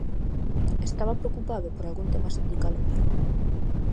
Estaba preocupado por algún tema sindical en Vigo.